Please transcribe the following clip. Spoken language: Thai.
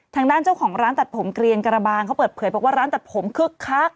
ทางด้านเจ้าของร้านตัดผมเกลียนกระบางเขาเปิดเผยบอกว่าร้านตัดผมคึกคัก